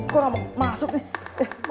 kok gak mau masuk nih